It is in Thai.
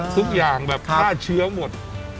ทุกอย่างแบบฆ่าเชื้อหมด